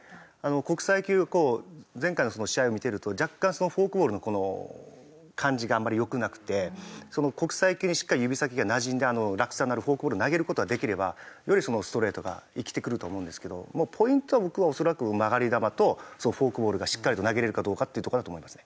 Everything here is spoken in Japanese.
国際球前回の試合を見てると若干フォークボールのこの感じがあんまり良くなくて国際球にしっかり指先がなじんで落差のあるフォークボールを投げる事ができればよりストレートが生きてくると思うんですけどポイントは僕は恐らく曲がり球とフォークボールがしっかりと投げれるかどうかっていうとこだと思いますね。